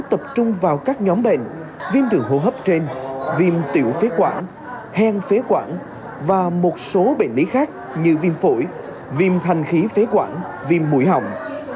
tăng vào các nhóm bệnh viêm tường hô hấp trên viêm tiểu phế quản hèn phế quản và một số bệnh lý khác như viêm phổi viêm thành khí phế quản viêm mũi hỏng